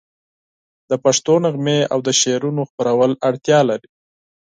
د پښتو نغمې او د شعرونو خپرول اړتیا لري.